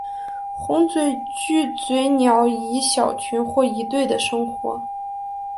红嘴巨嘴鸟以小群或一对的生活。